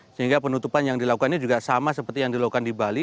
sehingga penutupan yang dilakukan ini juga sama seperti yang dilakukan di bali